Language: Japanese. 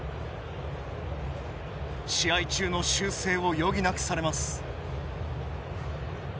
試合中の修正を余儀なくされます。